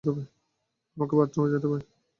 আমাকে বাথরুমে যেতে হবে।